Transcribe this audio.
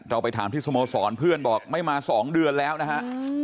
ไปถามที่สโมสรเพื่อนบอกไม่มา๒เดือนแล้วนะฮะ